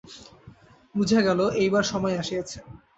বুঝা গেল, এইবার সময় আসিয়াছে।